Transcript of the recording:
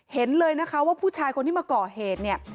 เห็นเลยนะคะว่าผู้ชายคนที่มาก่อเหตุเนี่ย